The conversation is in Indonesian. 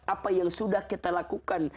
apa yang sudah kita lakukan